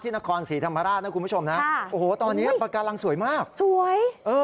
นครศรีธรรมราชนะคุณผู้ชมนะโอ้โหตอนนี้ปากการังสวยมากสวยเออ